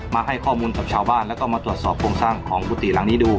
มาให้ข้อมูลกับชาวบ้านแล้วก็มาตรวจสอบโครงสร้างของกุฏิหลังนี้ดู